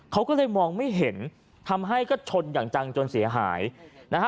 เขาก็เลยมองไม่เห็นทำให้ก็ชนอย่างจังจนเสียหายนะฮะ